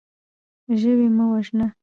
ژوی مه وژنه.